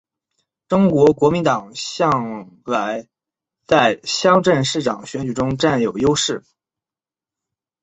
中国国民党向来在乡镇市长选举占有优势。